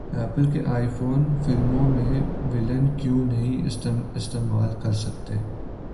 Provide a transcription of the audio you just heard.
apple کے iPhone فلموں میں ولن کیوں نہیں استعمال کرسکتے